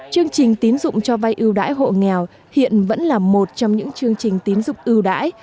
chương trình tín dụng cho vay ưu đãi hộ nghèo hiện vẫn là một trong những chương trình tín dụng ưu đãi